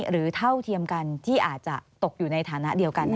เท่าเทียมกันที่อาจจะตกอยู่ในฐานะเดียวกัน